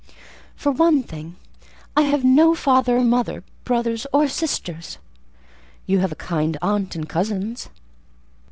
"For one thing, I have no father or mother, brothers or sisters." "You have a kind aunt and cousins."